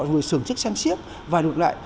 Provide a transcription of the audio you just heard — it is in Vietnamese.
người sưởng chức xem xiếc và được lại